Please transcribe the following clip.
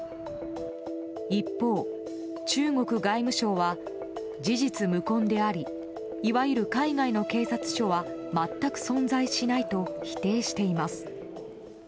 一方、中国外務省は事実無根でありいわゆる海外の警察署は全く存在しないと否定しています。